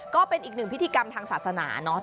ก็เป็นอีกหนึ่งพิธีกรรมทางศาสนาเนาะ